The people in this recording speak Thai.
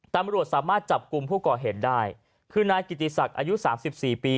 ตำรวจสามารถจับกลุ่มผู้ก่อเหตุได้คือนายกิติศักดิ์อายุสามสิบสี่ปี